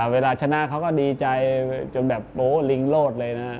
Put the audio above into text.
เวลาชนะเขาก็ดีใจจนแบบโอ้ลิงโลดเลยนะ